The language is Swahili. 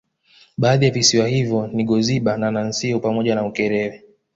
Baadhi ya visiwa hivyo ni Goziba na Nansio pamoja na Ukerewe